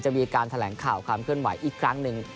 จะมีการแถลงข่าวความเคลื่อนไหวอีกครั้งหนึ่ง